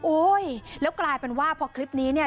โอ้ยแล้วกลายเป็นว่าพอคลิปนี้เนี่ย